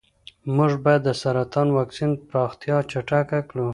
موږ باید د سرطان واکسین پراختیا چټکه کړو.